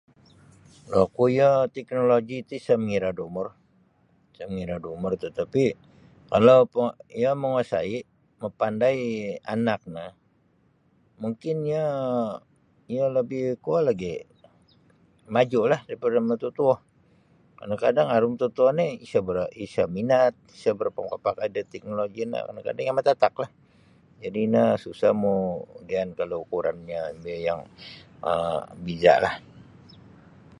Oku yo teknoloji ti isa' mangira' da umur sa' mangira da umur tatapi' kalau po iyo manguasai' mapandai anak no mungkin iyo iyo lebih kuo lagi maju'lah daripada mututuo kadang-kadang aru mututuo no isa' bara sa minat isa barapa' makapakai da teknoloji no kadang-kadang iyo matataklah jadi' ino susah mau giyaan kalau ukurannyo yang bezalah.